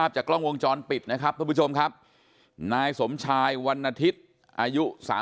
ใช้มีดหมอด้วย